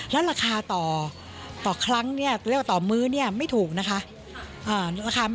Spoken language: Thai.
และราคาต่อคลั้งเรียกว่าต่อมื้อไม่ถูกนะคะ